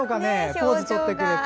ポーズをとってくれて。